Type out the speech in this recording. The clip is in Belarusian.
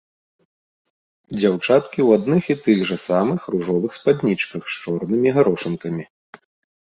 Дзяўчаткі ў адных і тых жа самых ружовых спаднічках з чорнымі гарошынкамі.